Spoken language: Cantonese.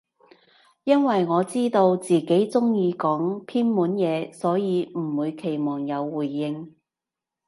因爲我知道自己中意講偏門嘢，所以唔會期望有回應